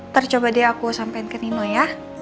ntar coba deh aku sampein ke nino ya